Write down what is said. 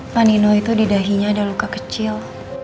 pak nino itu di dahinya ada luka kecil